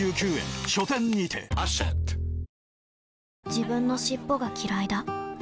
自分の尻尾がきらいだ